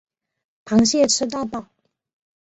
螃蟹吃到饱